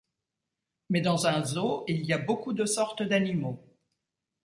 Mais dans un zoo il y a beaucoup de sortes d'animaux.